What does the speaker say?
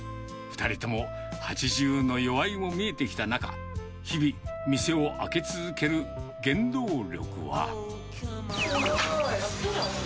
２人とも、８０のよわいも見えてきた中、日々、店を開け続ける原動力は？